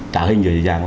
trả hình dưới dạng